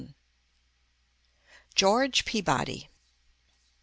] GEORGE PEABODY.